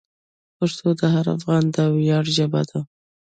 پښتو د هر افغان د ویاړ ژبه ده.